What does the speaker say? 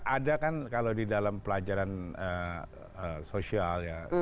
ada kan kalau di dalam pelajaran sosial ya